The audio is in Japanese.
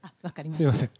すみません。